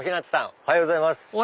おはようございます